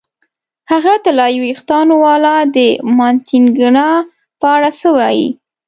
هغه طلايي وېښتانو والا، د مانتیګنا په اړه څه وایې؟